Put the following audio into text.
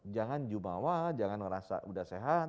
jangan jumawa jangan merasa udah sehat